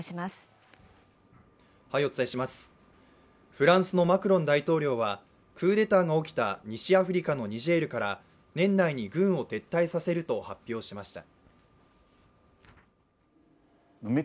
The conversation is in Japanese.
フランスのマクロン大統領はクーデターが起きた西アフリカのニジェールから年内に軍を撤退させると発表しました。